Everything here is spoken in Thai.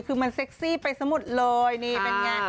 คือมันเซ็กซี่ไปสมุดเลยนี่เป็นไง